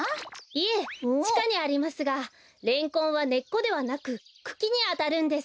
いえちかにありますがレンコンはねっこではなくくきにあたるんです。